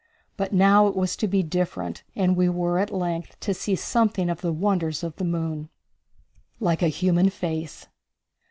But now it was to be different, and we were at length to see something of the wonders of the moon. Like a Human Face.